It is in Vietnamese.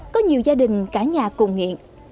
có nhiều gia đình cả nhà cùng nghiện